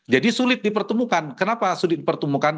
jadi sulit dipertemukan kenapa sulit dipertemukan